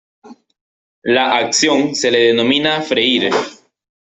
La acción se le denomina freír.